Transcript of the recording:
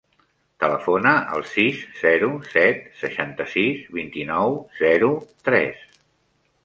Telefona al sis, zero, set, seixanta-sis, vint-i-nou, zero, tres.